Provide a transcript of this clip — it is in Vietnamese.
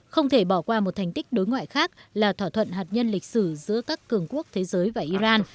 không thể bỏ qua một thành tích đối ngoại khác là thỏa thuận hạt nhân lịch sử giữa các cường quốc thế giới và iran